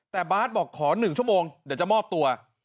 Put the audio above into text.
แต่บาทบอกขอ๑ชั่วโมงเดี๋ยวจะมอบตัว